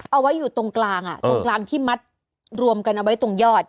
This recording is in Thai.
เอาไว้อยู่ตรงกลางตรงกลางที่มัดรวมกันเอาไว้ตรงยอด